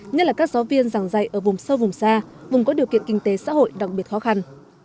nhất là các giáo viên giảng dạy ở vùng sâu vùng xa vùng có điều kiện kinh tế xã hội đặc biệt khó khăn